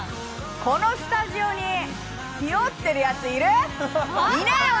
このスタジオにひよってるやつ、いる？